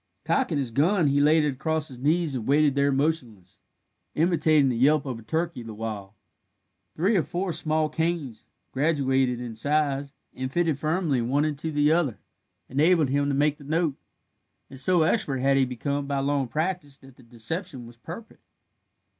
Cocking his gun, he laid it across his knees, and waited there motionless, imitating the yelp of a turkey the while. Three or four small canes, graduated in size, and fitted firmly one into the other, enabled him to make the note, and so expert had he become by long practice that the deception was perfect.